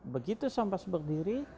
begitu sambas berdiri